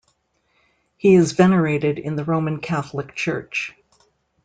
He is venerated in the Roman Catholic Church.